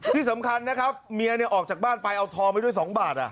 ที่สำคัญนะครับเมียออกจากบ้านไปเอาทองไปด้วย๒บาท